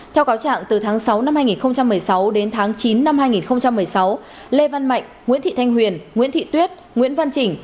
theo cáo trạng từ tháng sáu năm hai nghìn một mươi sáu đến tháng chín năm hai nghìn một mươi sáu lê văn mạnh nguyễn thị thanh huyền nguyễn thị tuyết nguyễn văn chỉnh